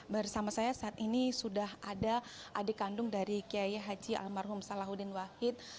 bersama saya saat ini sudah ada adik kandung dari kiai haji almarhum salahuddin wahid